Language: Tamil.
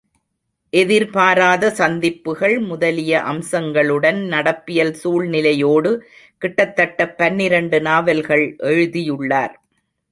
எதிர்பாராத சந்திப்புகள் முதலிய அம்சங்களுடன் நடப்பியல் சூழ்நிலையோடு கிட்டத்தட்ட பனிரண்டு நாவல்கள் எழுதியுள்ளார்.